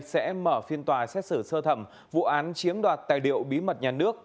sẽ mở phiên tòa xét xử sơ thẩm vụ án chiếm đoạt tài liệu bí mật nhà nước